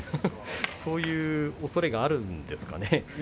そういうおそれがあるんですかね。